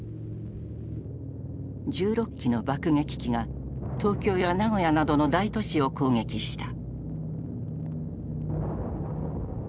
１６機の爆撃機が東京や名古屋などの大都市を攻撃した。